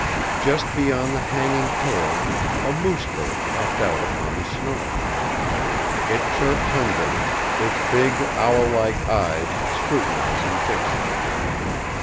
Just beyond the hanging pails a moose bird hopped out upon the snow. It chirped hungrily, its big, owl like eyes scrutinizing Dixon.